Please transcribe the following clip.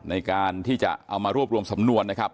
ในการที่จะเอามารวบรวมสำนวนนะครับ